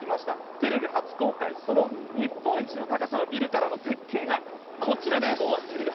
テレビ初公開、その日本一の高さのビルからの絶景がこちらです。